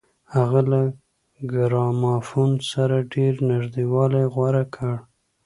هغه له ګرامافون سره ډېر نږدېوالی غوره کړ